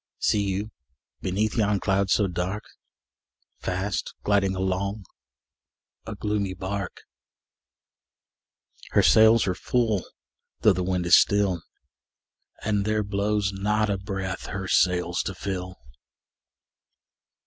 See you, beneath yon cloud so dark, Fast gliding along a gloomy bark? Her sails are full, though the wind is still, And there blows not a breath her sails to fill!